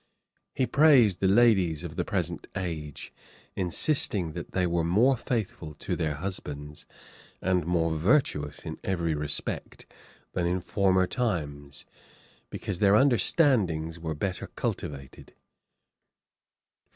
He praised the ladies of the present age, insisting that they were more faithful to their husbands, and more virtuous in every respect, than in former times, because their understandings were better cultivated.